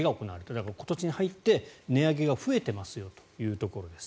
だから今年に入って値上げが増えてますよというところです。